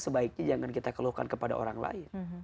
sebaiknya jangan kita keluhkan kepada orang lain